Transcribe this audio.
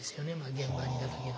現場にいた時の。